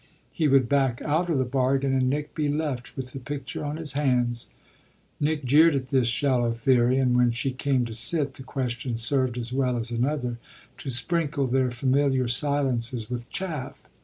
He would back out of the bargain and Nick be left with the picture on his hands. Nick jeered at this shallow theory and when she came to sit the question served as well as another to sprinkle their familiar silences with chaff.